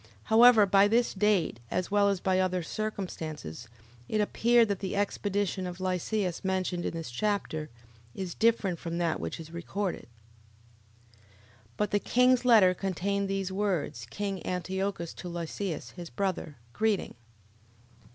However, by this date, as well as by other circumstances, it appears that the expedition of Lysias, mentioned in this chapter, is different from that which is recorded, 1 Mac. 6. 11:22. But the king's letter contained these words King Antiochus to Lysias, his brother, greeting.